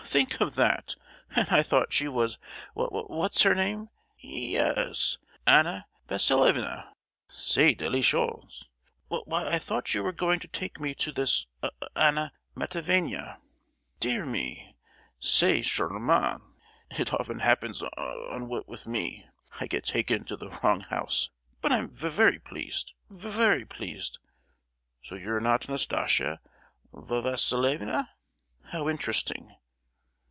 think of that; and I thought she was w—what's her name. Y—yes, Anna Vasilievna! C'est délicieux. W—why I thought you were going to take me to this A—Anna Matveyevna. Dear me! C'est ch—charmant! It often happens so w—with me. I get taken to the wrong house; but I'm v—very pleased, v—very pleased! So you're not Nastasia Va—silievna? How interesting."